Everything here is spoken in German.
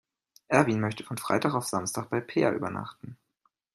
Erwin möchte von Freitag auf Samstag bei Peer übernachten.